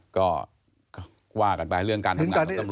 ก็ว่ากันไปเรื่องการทำงานของตำรวจ